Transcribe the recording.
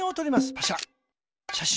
パシャ。